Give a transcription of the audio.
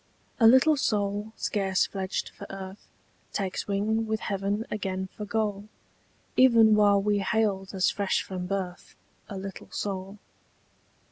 A LITTLE soul scarce fledged for earth Takes wing with heaven again for goal Even while we hailed as fresh from birth A little soul.